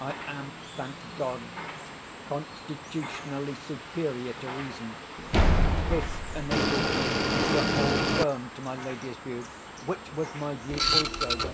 I am (thank God!) constitutionally superior to reason. This enabled me to hold firm to my lady's view, which was my view also.